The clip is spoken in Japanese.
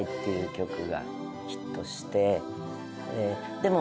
でも。